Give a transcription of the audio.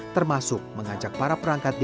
termasuk mengajak para perangkat desa